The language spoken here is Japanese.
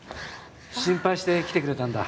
心配して来てくれたんだ。